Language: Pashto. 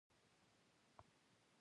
نظام د خاصو حقوقي قوانینو په اساس وي.